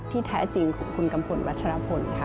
แท้จริงของคุณกัมพลวัชรพลค่ะ